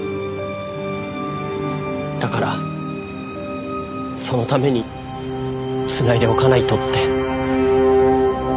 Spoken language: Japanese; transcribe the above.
だからそのために繋いでおかないとって。